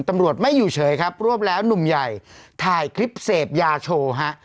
ตำรวจไม่อยู่เฉยครับรวบแล้วหนุ่มใหญ่ถ่ายคลิปเสพยาโชว์ฮะ